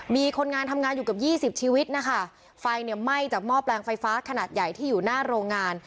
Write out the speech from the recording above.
มีคนงานทำงานอยู่กับยี่สิบชีวิตนะคะไฟเนี่ยไหม้จากหม้อแปลงไฟฟ้าขนาดใหญ่ที่อยู่หน้าโรงงาน